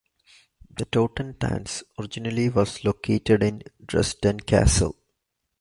The Totentanz originally was located in Dresden Castle.